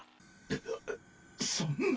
っそんな！